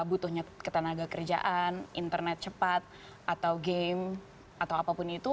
butuhnya ketenaga kerjaan internet cepat atau game atau apapun itu